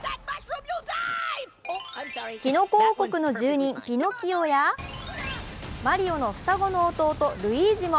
キノコ王国の住人・ピノキオやマリオの双子の弟・ルイージも。